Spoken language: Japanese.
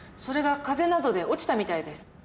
それが風などで落ちたみたいです。